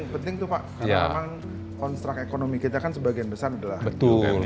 penting itu pak karena memang konstrak ekonomi kita kan sebagian besar adalah umkm ya